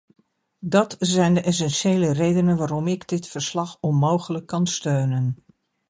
Dat zijn de essentiële redenen waarom ik dit verslag onmogelijk kan steunen.